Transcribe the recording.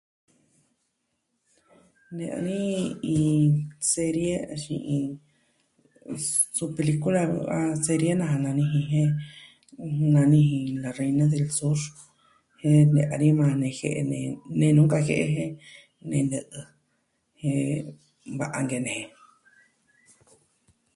Ne'ya ni iin serie axin iin suu pelikula, ah, serie naja nani ji jen, nani La reina del sur. Jen na'a ni na ni jie'e nee, nenu nkajie'e je nee nɨ'ɨ. Jen va'a nkene je.